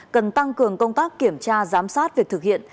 cần tăng cường công tác kiểm tra giám sát việc thực hiện